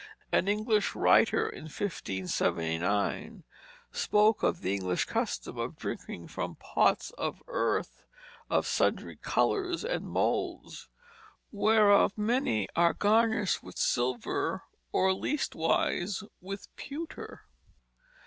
An English writer in 1579, spoke of the English custom of drinking from "pots of earth, of sundry colors and moulds, whereof many are garnished with silver, or leastwise with pewter."